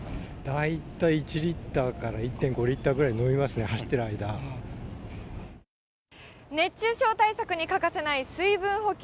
大体１リッターから１．５リッターぐらい飲みますね、走って熱中症対策に欠かせない水分補給。